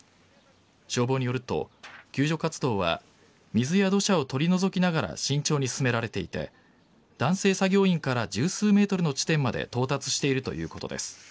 消防によると、救助活動は水や土砂を取り除きながら慎重に進められていて男性作業員から十数ｍの地点まで到達しているということです。